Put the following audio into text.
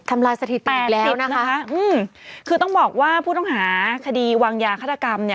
ลายสถิตินะคะอืมคือต้องบอกว่าผู้ต้องหาคดีวางยาฆาตกรรมเนี่ย